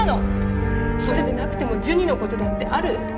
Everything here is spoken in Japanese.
それでなくてもジュニのことだってある。